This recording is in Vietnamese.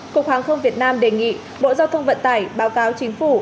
cục hàng không việt nam đề nghị bộ giao thông vận tải báo cáo chính phủ